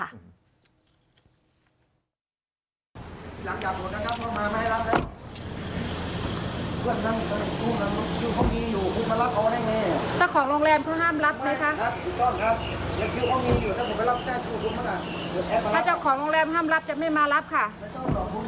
ถ้าเจ้าของโรงแรมห้ามรับจะไม่มารับค่ะ